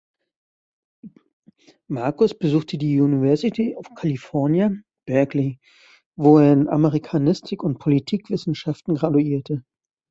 Marcus besuchte die University of California, Berkeley, wo er in Amerikanistik und Politikwissenschaften graduierte.